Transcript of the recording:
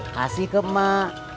kasih ke emak